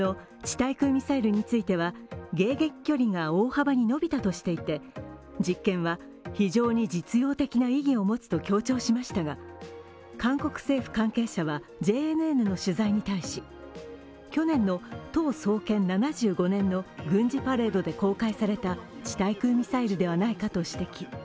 対空ミサイルについては、迎撃距離が大幅に伸びたとして実験は非常に実用的な意義を持つと強調しましたが、韓国政府関係者はＪＮＮの取材に対し去年の党創建７５年の軍事パレードで公開された地対空ミサイルではないかと指摘。